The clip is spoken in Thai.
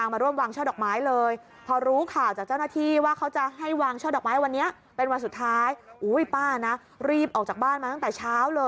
บอกว่าหลายวันที่ผ่านมา